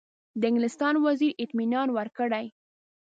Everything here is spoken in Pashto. د انګلستان وزیر اطمینان ورکړی.